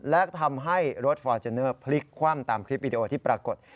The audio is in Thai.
และทำให้รถฟอร์เจนเนอร์พลิกคว่ำตามคลิปวิดีโอที่ปรากฏ